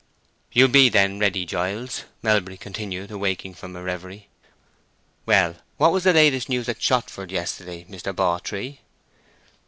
"You'll be, then, ready, Giles?" Melbury continued, awaking from a reverie. "Well, what was the latest news at Shottsford yesterday, Mr. Bawtree?"